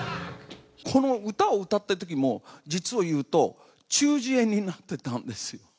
この歌を歌っているときも、実を言うと、中耳炎になってたんですよ。